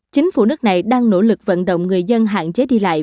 chính phủ nước này đang nỗ lực vận động người dân hạn chế đi lại